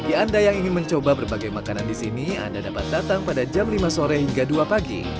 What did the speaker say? bagi anda yang ingin mencoba berbagai makanan di sini anda dapat datang pada jam lima sore hingga dua pagi